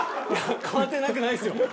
変わってなくないっすよ。